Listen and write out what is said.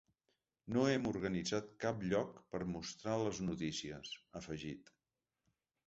No hem organitzat cap lloc per mostrar a les notícies, ha afegit.